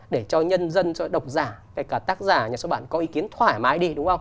để cho nhân dân cho độc giả kể cả tác giả nhà số bạn có ý kiến thoải mái đi